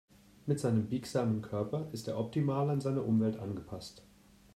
Mit seinem biegsamen Körper ist er optimal an seine Umwelt angepasst.